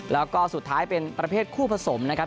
แล้วก็สุดท้ายเป็นประเภทคู่ผสมนะครับ